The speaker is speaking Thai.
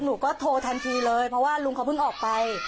หนูก็โทรทันทีเลยเพราะว่าลุงเขาเพิ่งออกไป